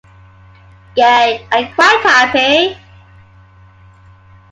Gay, and quite happy.